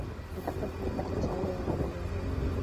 Nataka kupata chanjo ya ugonjwa huu